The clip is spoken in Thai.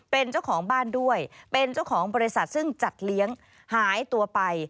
เป็นเจ้าของบ้านด้วยเป็นเจ้าของบริษัทซึ่งจัดเลี้ยงหายตัวไป